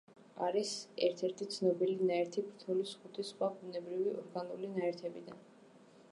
არის ერთ-ერთი ცნობილი ნაერთი ფთორის ხუთი სხვა ბუნებრივი ორგანული ნაერთებიდან.